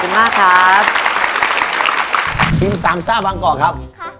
พรีมสามซ่าฟังกรครับ